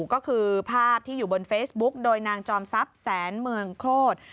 ก็คือภาพที่อยู่บนเฟซบุ๊กโดยนางจอมทรัพย์แสนเมืองโคตร